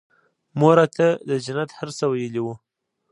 مور راته د جنت هر څه ويلي وو.